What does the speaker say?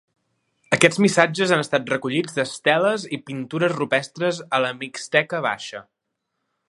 Aquests missatges han estat recollits d'esteles i pintures rupestres a la Mixteca Baixa.